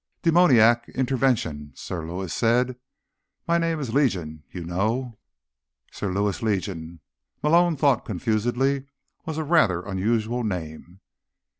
"Demoniac intervention," Sir Lewis said. "'My name is Legion,' you know." Sir Lewis Legion, Malone thought confusedly, was a rather unusual name.